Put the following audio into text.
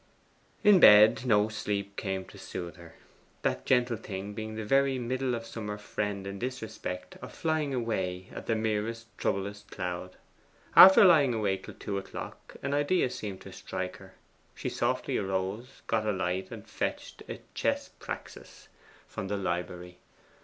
In bed no sleep came to soothe her; that gentle thing being the very middle of summer friend in this respect of flying away at the merest troublous cloud. After lying awake till two o'clock an idea seemed to strike her. She softly arose, got a light, and fetched a Chess Praxis from the library.